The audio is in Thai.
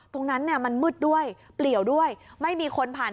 ตรงนั้นมันมืดด้วยเกียวกังไม่มีคนผ่าน